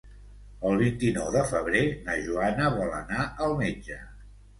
El vint-i-nou de febrer na Joana vol anar al metge.